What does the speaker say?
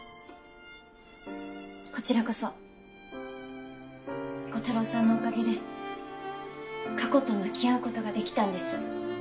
こちらこそコタローさんのおかげで過去と向き合う事ができたんです。